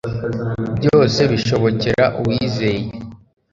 Byose bishobokera uwizeye